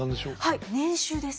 はい年収です。